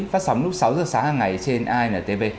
phát sóng lúc sáu giờ sáng hàng ngày trên an tv